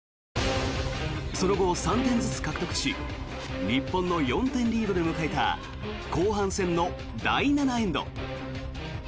その後、３点ずつ獲得し日本の４点リードで迎えた後半戦の第７エンド。